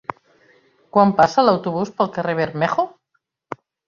Quan passa l'autobús pel carrer Bermejo?